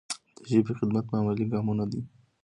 د ژبې خدمت په عملي ګامونو دی.